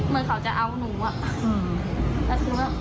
แบบก็ชวนคุยชวนนู่นชวนนี่จนแบบ